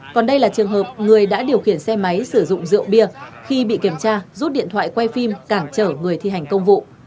còn đây là trường hợp người đã điều khiển xe máy sử dụng rượu bia khi bị kiểm tra rút điện thoại quay phim cản trở người thi hành công vụ